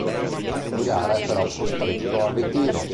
In gara è però costretto al ritiro.